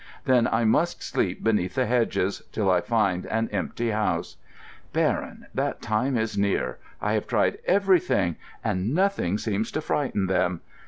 —then I must sleep beneath the hedges, till I find an empty house. Baron, that time is near. I have tried everything, and nothing seems to frighten them.